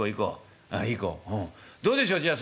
どうでしょうじゃあ